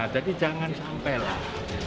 jadi jangan sampai lah